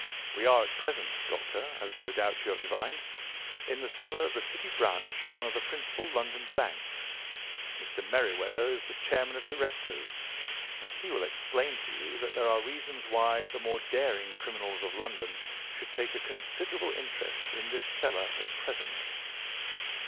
We are at present, Doctor—as no doubt you have divined—in the cellar of the City branch of one of the principal London banks. Mr. Merryweather is the chairman of directors, and he will explain to you that there are reasons why the more daring criminals of London should take a considerable interest in this cellar at present."